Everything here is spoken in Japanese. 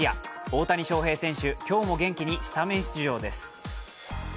大谷翔平選手、今日も元気にスタメン出場です。